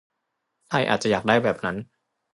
ไทยอาจจะอยากได้แบบนั้น